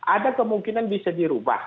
ada kemungkinan bisa dirubah